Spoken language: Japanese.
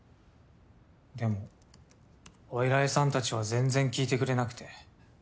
でもお偉いさんたちは全然聞いてくれなくて。